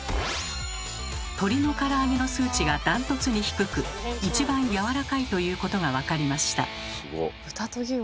鶏のから揚げの数値が断トツに低く一番やわらかいということが分かりました。